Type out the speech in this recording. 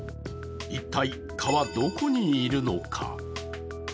一体、蚊はどこにいるのか。